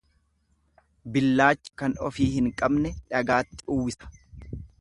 Billaachi kan ofii hin qabne dhagaatti uwwisa.